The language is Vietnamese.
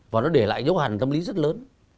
và nó để lại dấu hẳn tâm lý rất lớn